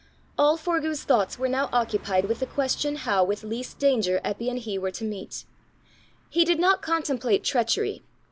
All Forgue's thoughts were now occupied with the question how with least danger Eppy and he were to meet. He did not contemplate treachery.